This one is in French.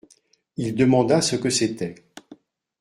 Il demanda ce que c’était.